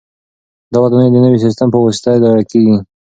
دا ودانۍ د نوي سیسټم په واسطه اداره کیږي.